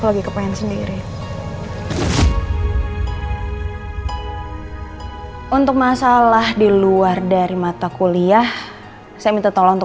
lagi kepengen sendiri untuk masalah di luar dari mata kuliah saya minta tolong untuk